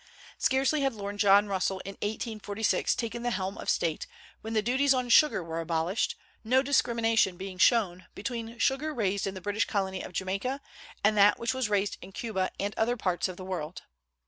Scarcely had Lord John Russell in 1846 taken the helm of state, when the duties on sugar were abolished, no discrimination being shown between sugar raised in the British colony of Jamaica and that which was raised in Cuba and other parts of the world.